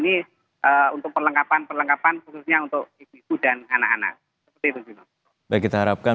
untuk perlengkapan perlengkapan khususnya untuk ibu anak anak dan bisa mengalami ibu harusanrouh